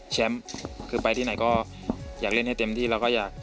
แล้วก็กำหนดทิศทางของวงการฟุตบอลในอนาคต